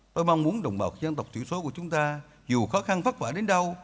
tôi mong muốn đồng bào dân tộc thí số của chúng ta dù khó khăn phát phả đến đâu